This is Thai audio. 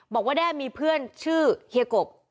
แด้มีเพื่อนชื่อเฮียกบ